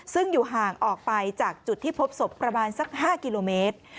ซึ่งอยู่ห่างออกไปจากจุดที่พบศพประมาณสัก๕กิโลเมตร